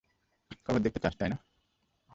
খবর দেখতে চাস, তাই না?